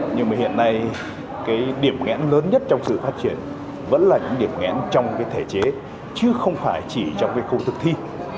nhưng mà hiện nay cái điểm nghẽn lớn nhất trong sự phát triển vẫn là những điểm ngẽn trong cái thể chế chứ không phải chỉ trong cái khâu thực thi